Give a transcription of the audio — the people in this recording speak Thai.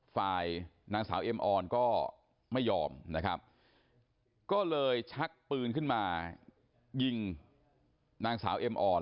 ฝ่ายนางสาวเอ็มออนก็ไม่ยอมนะครับก็เลยชักปืนขึ้นมายิงนางสาวเอ็มอ่อน